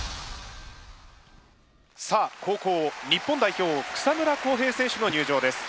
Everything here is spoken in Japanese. さあ後攻日本代表草村航平選手の入場です。